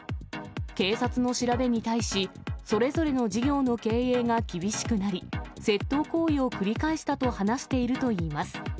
警察の調べに対し、それぞれの事業の経営が厳しくなり、窃盗行為を繰り返したと話しているといいます。